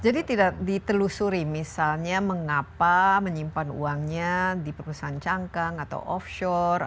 jadi tidak ditelusuri misalnya mengapa menyimpan uangnya di perusahaan cangkang atau offshore